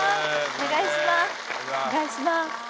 お願いします。